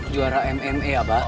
juara mma ya bang